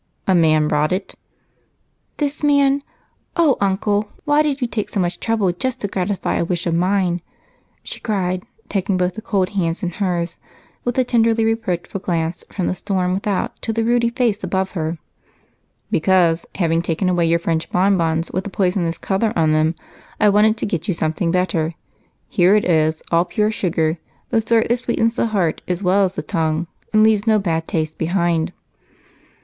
"A man brought it." "This man? Oh, Uncle! Why did you take so much trouble just to gratify a wish of mine?" she cried, taking both the cold hands in hers with a tenderly reproachful glance from the storm without to the ruddy face above her. "Because, having taken away your French bonbons with the poisonous color on them, I wanted to get you something better. Here it is, all pure sugar, the sort that sweetens the heart as well as the tongue and leaves no bad taste behind."